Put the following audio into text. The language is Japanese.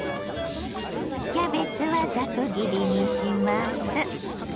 キャベツはざく切りにします。